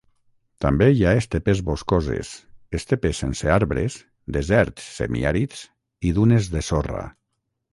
També hi ha estepes boscoses, estepes sense arbres, deserts semiàrids, i dunes de sorra.